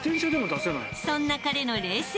［そんな彼の］